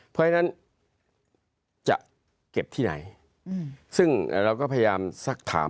เพราะฉะนั้นจะเก็บที่ไหนซึ่งเราก็พยายามสักถาม